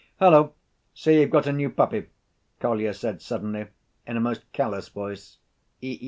"Hallo, so you've got a new puppy?" Kolya said suddenly, in a most callous voice.